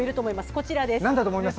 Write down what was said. こちらです。